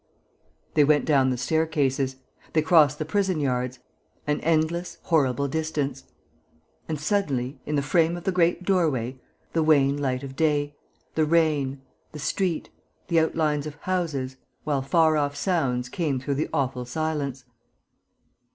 They went down the staircases. They crossed the prison yards. An endless, horrible distance. And, suddenly, in the frame of the great doorway, the wan light of day, the rain, the street, the outlines of houses, while far off sounds came through the awful silence.